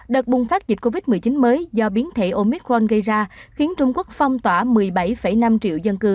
đợt bùng phát dịch covid một mươi chín mới do biến thể omicron gây ra khiến trung quốc phong tỏa một mươi bảy năm triệu dân cư